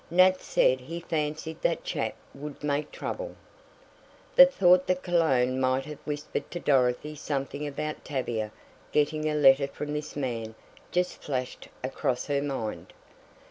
"Nat said he fancied that chap would make trouble." The thought that Cologne might have whispered to Dorothy something about Tavia getting a letter from this man just flashed across her mind.